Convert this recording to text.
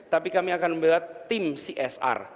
tapi kami akan membuat tim csr